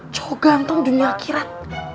cowok ganteng dunia akhirat